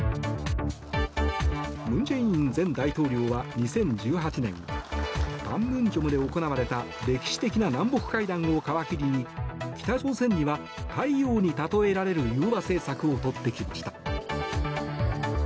文在寅前大統領は２０１８年パンムンジョムで行われた歴史的な南北会談を皮切りに北朝鮮には太陽に例えられる融和政策をとってきました。